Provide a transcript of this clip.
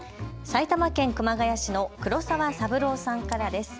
埼玉県熊谷市の黒澤三郎さんからです。